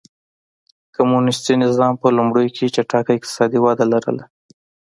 کمونېستي نظام په لومړیو کې چټکه اقتصادي وده لرله.